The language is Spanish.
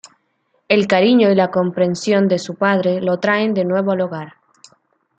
El cariño y la comprensión de su padre lo traen de nuevo al hogar.